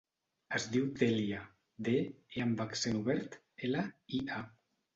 Es diu Dèlia: de, e amb accent obert, ela, i, a.